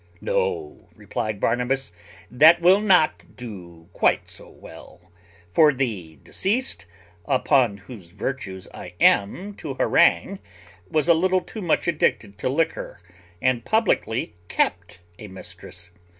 "No," replied Barnabas, "that will not do quite so well; for the deceased, upon whose virtues I am to harangue, was a little too much addicted to liquor, and publickly kept a mistress.